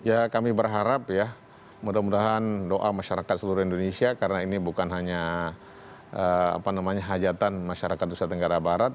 ya kami berharap ya mudah mudahan doa masyarakat seluruh indonesia karena ini bukan hanya hajatan masyarakat nusa tenggara barat